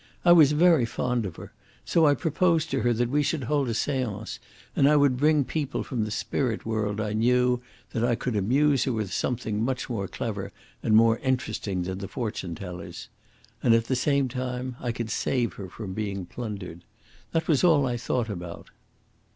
I was very fond of her, so I proposed to her that we should hold a seance, and I would bring people from the spirit world I knew that I could amuse her with something much more clever and more interesting than the fortune tellers. And at the same time I could save her from being plundered. That was all I thought about."